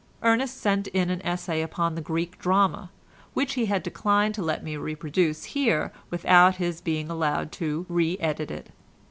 Ernest sent in an essay upon the Greek Drama, which he has declined to let me reproduce here without his being allowed to re edit it.